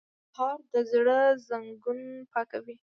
سهار د زړه زنګونه پاکوي.